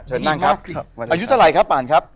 เชิญนั่งครับอายุจะไหนครับป่านครับ